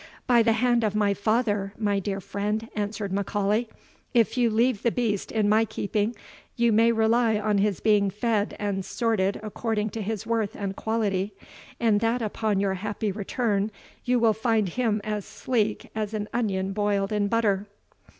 "By the hand of my father, my dear friend," answered M'Aulay, "if you leave the beast in my keeping, you may rely on his being fed and sorted according to his worth and quality, and that upon your happy return, you will find him as sleek as an onion boiled in butter."